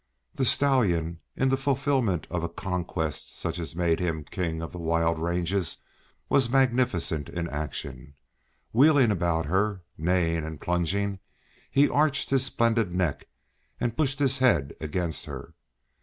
The stallion, in the fulfilment of a conquest such as had made him king of the wild ranges, was magnificent in action. Wheeling about her, neighing, and plunging, he arched his splendid neck and pushed his head against her.